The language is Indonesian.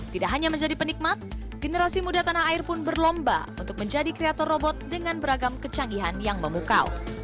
tidak hanya menjadi penikmat generasi muda tanah air pun berlomba untuk menjadi kreator robot dengan beragam kecanggihan yang memukau